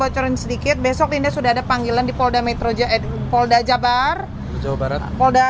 bocorin sedikit besok ini sudah ada panggilan di polda metro jepang polda jabar jawa barat polda